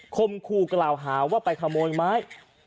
คมคู่กล่าวหาว่าไปขโมยไม้